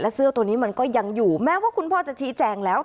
เสื้อตัวนี้มันก็ยังอยู่แม้ว่าคุณพ่อจะชี้แจงแล้ว